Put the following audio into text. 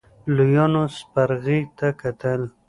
لويانو سپرغې ته کتل.